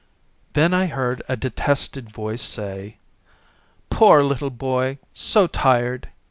Then I heard a detested voice say, " Poor little boy, so tired